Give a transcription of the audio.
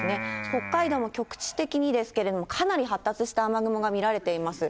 北海道も局地的にですけれども、かなり発達した雨雲が見られています。